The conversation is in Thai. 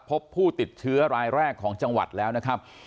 พบผู้ติดเชื้อรายแรกของจังหวัดแล้วนะครับ